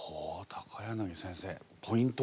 柳先生ポイントは？